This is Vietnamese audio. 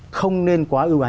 không nên quá ưu ái